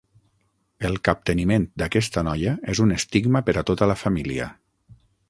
El capteniment d'aquesta noia és un estigma per a tota la família.